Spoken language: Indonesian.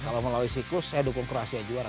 kalau melalui siklus saya dukung kroasia juara